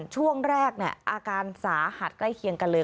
ช่วงแรกอาการสาหัสใกล้เคียงกันเลย